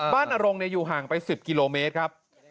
นรงอยู่ห่างไป๑๐กิโลเมตรครับ